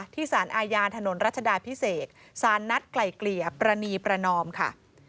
สารอาญาถนนรัชดาพิเศษสารนัดไกล่เกลี่ยปรณีประนอมค่ะ